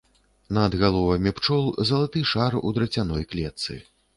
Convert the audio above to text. Над галовамі пчол залаты шар у драцяной клетцы.